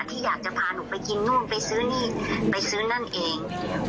ที่อยากจะพาหนูไปกินนู่นไปซื้อนั่นเอง